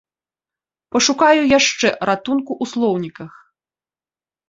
Пашукаю яшчэ ратунку ў слоўніках.